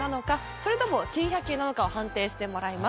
それとも珍百景なのかを判定してもらいます。